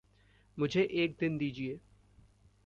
मुझे एक दिन दीजिए।